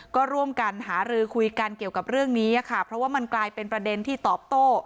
ก็ร่วมกันหารือคุยกันเกี่ยวกับเรื่องนี้ค่ะเพราะว่ามันกลายเป็นประเด็นที่ตอบโต้